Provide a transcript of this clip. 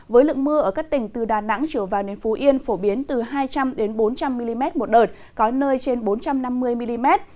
với lượng mưa ở các tỉnh từ đà nẵng trở vào đến phú yên phổ biến từ hai trăm linh bốn trăm linh mm một đợt có nơi trên bốn trăm năm mươi mm